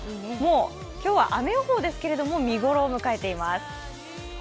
今日は雨予報ですけれども、見頃を迎えています。